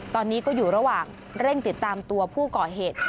ตอนนี้ก็อยู่ระหว่างเร่งติดตามตัวผู้ก่อเหตุ